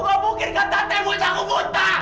nggak mungkin kata tante buatnya aku buta